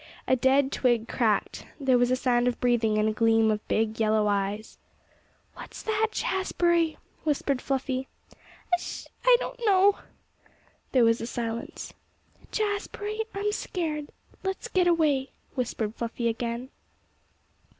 A dead twig cracked. There was a sound of breathing, and a gleam of big yellow eyes. "What's that, Jazbury?" whispered Fluffy. "Hus s sh! I don't know!" There was a silence. "Jazbury, I'm scared. Let's get away," whispered Fluffy again.